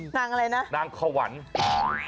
นางอะไรนะนางขวัญนะ